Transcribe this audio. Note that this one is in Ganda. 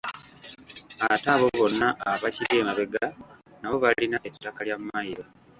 Ate abo bonna abakiri emabega nabo balina ettaka lya mmayiro.